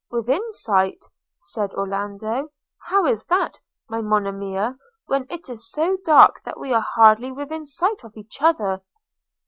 – 'Within sight!' said Orlando: 'How is that, my Monimia, when it is so dark that we are hardly within sight of each other?'